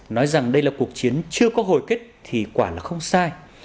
nói rằng đây là cuộc chiến chưa có hồi kết thì quả là không sai